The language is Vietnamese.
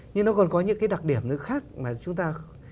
nhưng nó còn có những cái đặc điểm khác mà chúng ta